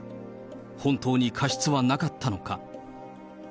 本当に過失はなかったのか。